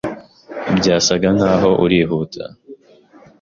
Byasaga nkaho urihuta.